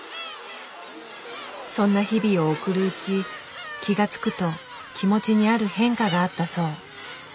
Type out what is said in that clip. そんな日々を送るうち気が付くと気持ちにある変化があったそう。